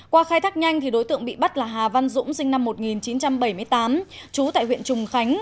qua khai thác nhanh đối tượng bị bắt là hà văn dũng sinh năm một nghìn chín trăm bảy mươi tám trú tại huyện trùng khánh